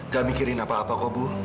gak mikirin apa apa kok bu